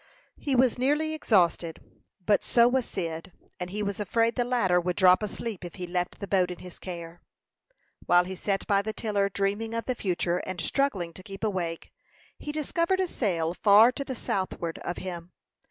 He was nearly exhausted; but so was Cyd, and he was afraid the latter would drop asleep if he left the boat in his care. While he sat by the tiller, dreaming of the future, and struggling to keep awake, he discovered a sail far to the southward of him.